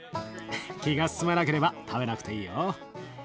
気が進まなければ食べなくていいよ。